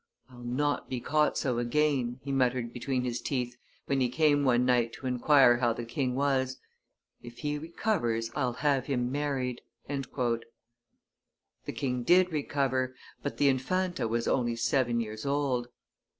"I'll not be caught so again," he muttered between his teeth, when he came one night to inquire how the king was, "if he recovers, I'll have him married." The king did recover, but the Infanta was only seven years old.